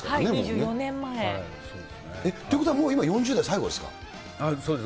２５年前。ということはもう今４０代最そうです。